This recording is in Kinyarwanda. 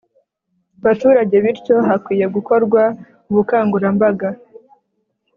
baturage bityo hakwiye gukorwa ubukangurambaga